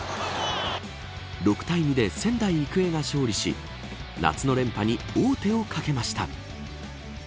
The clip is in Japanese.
６対２で仙台育英が勝利し夏の連覇に王手をかけました。